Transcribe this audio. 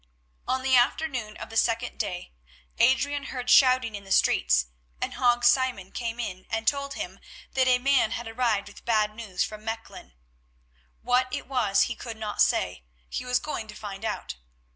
On the afternoon of the second day Adrian heard shouting in the streets, and Hague Simon came in and told him that a man had arrived with bad news from Mechlin; what it was he could not say, he was going to find out.